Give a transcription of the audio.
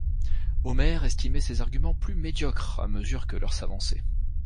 Omer estimait ses arguments plus médiocres à mesure que l'heure s'avançait.